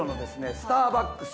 スターバックス